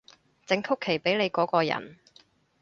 整曲奇畀你嗰個人